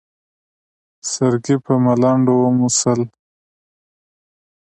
سرګي په ملنډو وموسل.